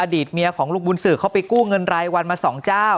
อดีตเมียของลุงบูนศือเข้าไปกู้เงินไรวันมาสองเจ้า